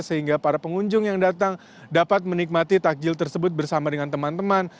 sehingga para pengunjung yang datang dapat menikmati takjil tersebut bersama dengan teman teman